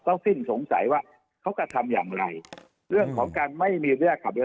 ต้องสิ้นสงสัยว่าเขากระทำอย่างไรเรื่องของการไม่มีบริญญาติขับเรือ